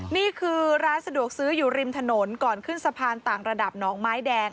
นี่คือร้านสะดวกซื้ออยู่ริมถนนก่อนขึ้นสะพานต่างระดับน้องไม้แดง